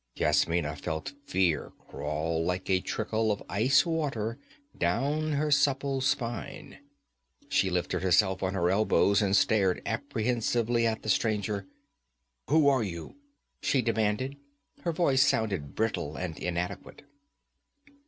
Yasmina felt fear crawl like a trickle of ice water down her supple spine. She lifted herself on her elbows and stared apprehensively at the stranger. 'Who are you?' she demanded. Her voice sounded brittle and inadequate.